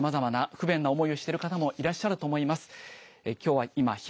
さまざまな不便な思いをしている方もいらっしゃると思います。